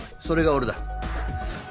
それが俺だ。